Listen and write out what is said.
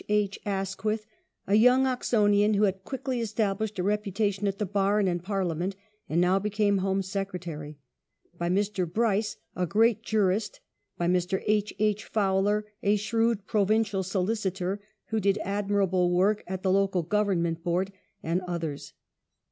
H. Asquith, a young Oxonian who had quickly established a reputation at the Bar and in Parliament and now became Home Secretary ; by Mr. Bryce, a great jurist, by Mr. H. H. Powler, a shrewd provincial solicitor, who did admirable work at the Local Government Board, and othei s.